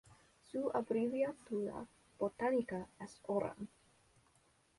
Su abreviatura botánica es Horan.